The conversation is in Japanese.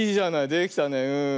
できたねうん。